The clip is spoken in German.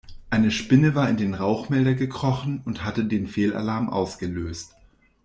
Eine Spinne war in den Rauchmelder gekrochen und hatte den Fehlalarm ausgelöst.